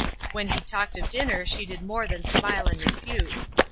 When he talked of dinner she did more than smile and refuse.